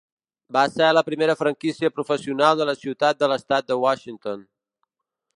Va ser la primera franquícia professional de la ciutat de l'estat de Washington.